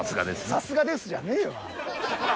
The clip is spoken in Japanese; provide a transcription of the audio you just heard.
「さすがです」じゃねぇわ！